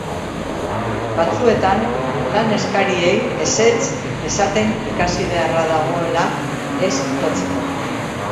Batzuetan lan eskariei ezetz esaten ikasi beharra dagoela ez itotzeko.